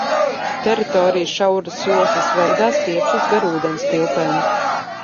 Teritorijas šauras joslas veidā stiepjas gar ūdenstilpēm.